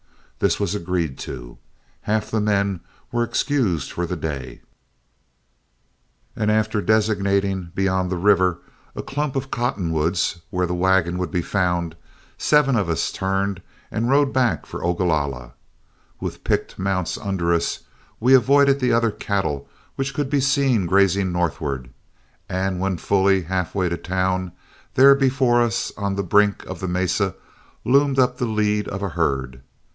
This was agreed to, half the men were excused for the day, and after designating, beyond the river, a clump of cottonwoods where the wagon would be found, seven of us turned and rode back for Ogalalla. With picked mounts under us, we avoided the other cattle which could be seen grazing northward, and when fully halfway to town, there before us on the brink of the mesa loomed up the lead of a herd.